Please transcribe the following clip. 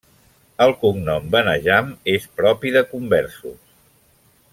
El cognom Benejam és propi de conversos.